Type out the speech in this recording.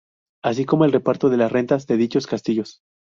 Así como el reparto de las rentas de dichos castillos.